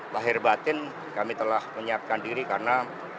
lahir batin kami telah menyiapkan diri karena